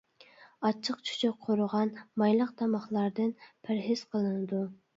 ئاچچىق-چۈچۈك، قورۇغان، مايلىق تاماقلاردىن پەرھىز قىلىنىدۇ.